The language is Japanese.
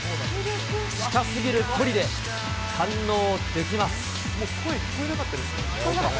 近すぎる距離で堪能できます。